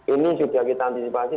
ini sudah kita antisipasi